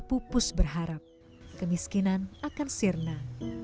pupus berharap kemiskinan akan sirna